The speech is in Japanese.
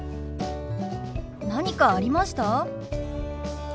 何かありました？